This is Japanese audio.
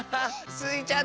スイちゃん